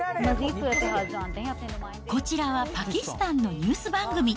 こちらはパキスタンのニュース番組。